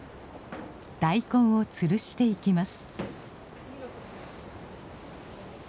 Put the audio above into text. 大根をつるしていきます。